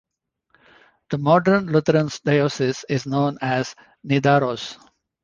The modern Lutheran diocese is known as Nidaros.